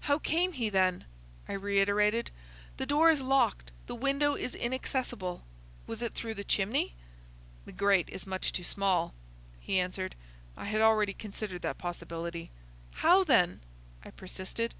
"How came he, then?" I reiterated. "The door is locked, the window is inaccessible. Was it through the chimney?" "The grate is much too small," he answered. "I had already considered that possibility." "How then?" I persisted.